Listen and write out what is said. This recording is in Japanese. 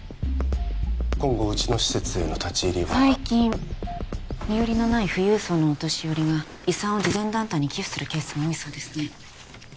今後うちの施設への立ち入りは最近身寄りのない富裕層のお年寄りが遺産を慈善団体に寄付するケースが多いそうですね